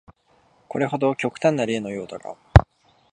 これなど極端な例のようだが、